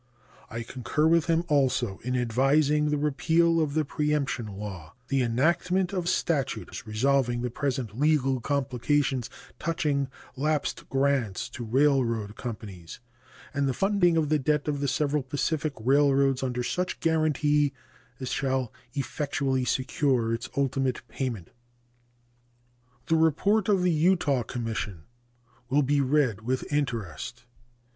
I concur with him also in advising the repeal of the preemption law, the enactment of statutes resolving the present legal complications touching lapsed grants to railroad companies, and the funding of the debt of the several Pacific railroads under such guaranty as shall effectually secure its ultimate payment. The report of the Utah Commission will be read with interest.